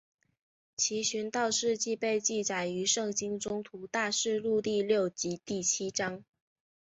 其殉道事迹被记载于圣经宗徒大事录第六及第七章。